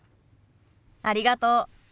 ありがとう。